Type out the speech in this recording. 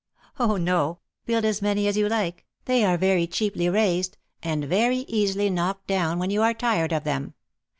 "Oh, no, build as many as you like, they are very cheaply raised, and very easily knocked down when you are tired of them.